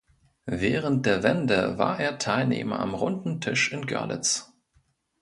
Während der Wende war er Teilnehmer am Runden Tisch in Görlitz.